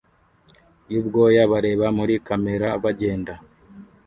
yubwoya bareba muri kamera bagenda